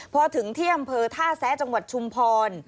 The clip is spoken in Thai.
พอถึงเที่ยมเผอร์ท่าแซ่จังหวัดชุมพร